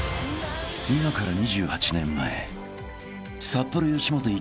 ［今から２８年前札幌吉本